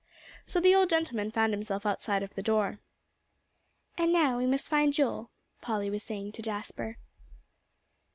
So the old gentleman found himself outside the door. "And now, we must find Joel," Polly was saying to Jasper.